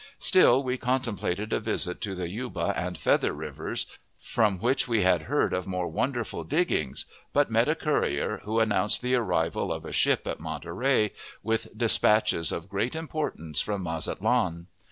Still we contemplated a visit to the Yuba and Feather Rivers, from which we had heard of more wonderful "diggings;" but met a courier, who announced the arrival of a ship at Monterey, with dispatches of great importance from Mazatlan.